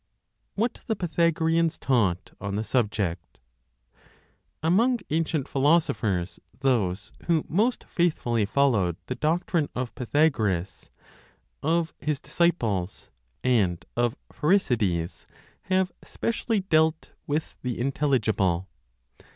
WHAT THE PYTHAGOREANS TAUGHT ON THE SUBJECT. Among ancient philosophers, those who most faithfully followed the doctrine of Pythagoras, of his disciples, and of Pherecydes, have specially dealt with the intelligible.